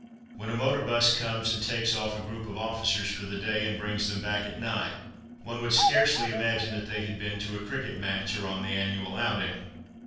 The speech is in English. When a motor bus comes and takes off a group of officers for the day, and brings them back at night, one would scarcely imagine that they had been to a cricket match, or on the annual outing.